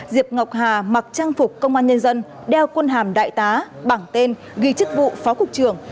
diệp ngọc hà mặc trang phục công an nhân dân đeo quân hàm đại tá bảng tên ghi chức vụ phó cục trưởng